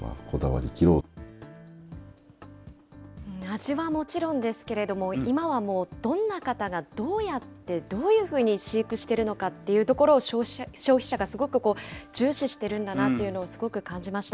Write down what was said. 味はもちろんですけれども、今はもうどんな方が、どうやって、どういうふうに飼育しているのかっていうところを消費者がすごく重視してるんだなっていうのをすごく感じました。